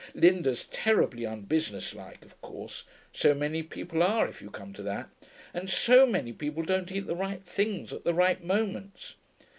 Linda's terribly unbusinesslike, of course. So many people are, if you come to that. And so many people don't eat the right things at the right moments.